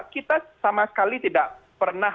kita sama sekali tidak pernah